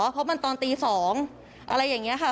เพราะมันตอนตี๒อะไรอย่างนี้ค่ะ